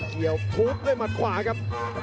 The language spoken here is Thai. เกี่ยวทุบด้วยหมัดขวาครับ